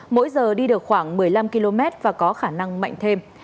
mỗi giờ đi được khoảng một mươi năm km và có khả năng mạnh thêm